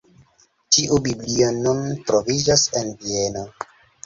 Tiu Biblio nun troviĝas en Vieno.